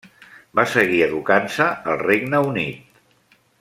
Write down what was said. Va seguir educant-se al Regne Unit.